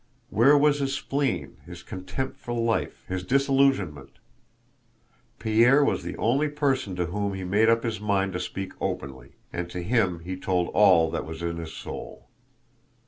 Where was his spleen, his contempt for life, his disillusionment? Pierre was the only person to whom he made up his mind to speak openly; and to him he told all that was in his soul.